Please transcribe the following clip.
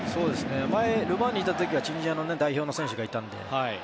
前、ル・マンにいた時チュニジア代表の選手がいたので。